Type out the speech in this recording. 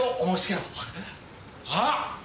あっ！